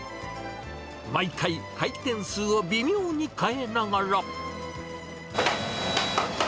毎回、回転数を微妙に変えながら。